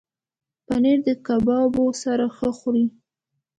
پنېر د کبابو سره ښه خوري.